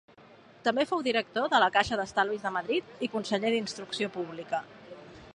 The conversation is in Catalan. També fou Director de la Caixa d'Estalvis de Madrid i conseller d'Instrucció Pública.